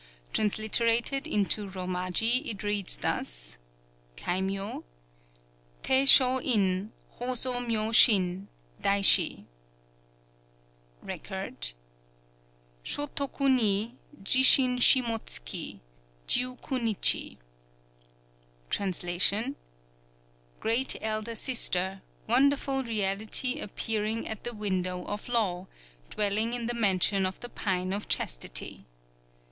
Transliterated into Romaji it reads thus: (Kaimyō.) Tei Shō In, HŌ SŌ MYŌ SHIN, Daishi. (Record.) Shōtoku Ni, Jin shin Shimotsuki, jiu ku nichi. [Translation: Great Elder Sister, WONDERFUL REALITY APPEARING AT THE WINDOW OF LAW, dwelling in the Mansion of the Pine of Chastity.